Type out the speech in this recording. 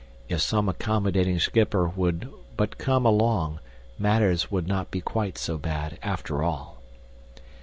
If some accommodating schipper would but come along, matters would not be quite so bad after all.